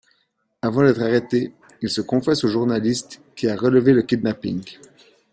Avant d'être arrêté, il se confesse au journaliste qui a révélé le kidnapping.